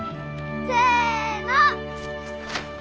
せの。